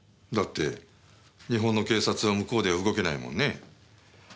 だって日本の警察は向こうでは動けないもんね。